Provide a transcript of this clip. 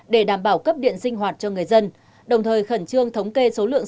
để đảm bảo cấp điện sinh hoạt cho người dân đồng thời khẩn trương thống kê số lượng